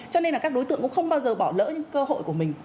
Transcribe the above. cho nên là các đối tượng cũng không bao giờ bỏ lỡ những cơ hội của mình